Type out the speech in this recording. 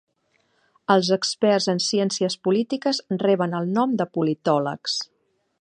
Els experts en ciències polítiques reben el nom de politòlegs.